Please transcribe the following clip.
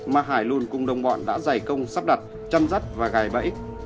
mà hải luôn cùng đồng bọn đã giải công sắp đặt chăn rắt và gài bẫy